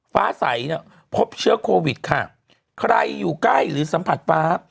ฟ้าใสเนี่ยพบเชื้อโควิดค่ะใครอยู่ใกล้หรือสัมผัสฟ้า